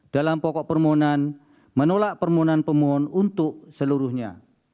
dalam pokok permohonan menolak permohonan pemohon untuk seluruhnya